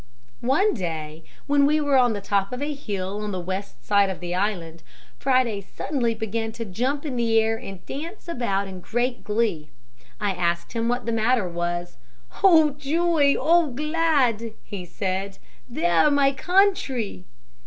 "One day when we were on the top of a hill on the west side of the island, Friday suddenly began to jump and dance about in great glee. I asked him what the matter was. 'O, joy, O glad,' he said; 'there my country!'